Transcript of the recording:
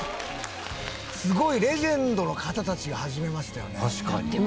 すごいレジェンドの方たちが始めましたよね。